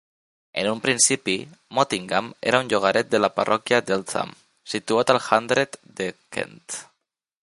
En un principi, Mottingham era un llogaret de la parròquia d'Eltham, situat al hundred de Kent.